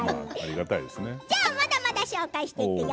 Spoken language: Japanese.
まだまだ紹介していくよ。